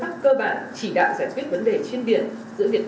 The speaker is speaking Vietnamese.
và không có lợi cho việc duy trì môi trường hòa bình